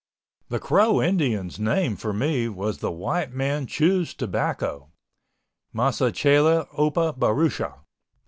The Crow Indians' name for me was the White Man Chews Tobacco—Masachele Opa Barusha.